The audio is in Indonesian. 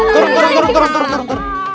turun turun turun